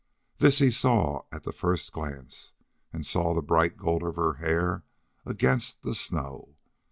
This he saw at the first glance, and saw the bright gold of her hair against the snow.